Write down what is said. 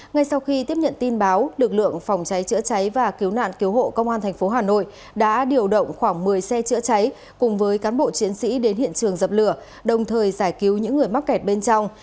ngay sau khi tiếp nhận tin báo lực lượng phòng cháy chữa cháy và cứu nạn cứu hộ công an tp hà nội đã điều động khoảng một mươi xe chữa cháy cùng với cán bộ chiến sĩ đến hiện trường dập lửa đồng thời giải cứu những người mắc kẹt bên trong